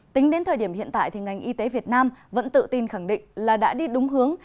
tính đến thời điểm hiện tại thì ngành y tế việt nam vẫn tự tin khẳng định là đã đi đúng hướng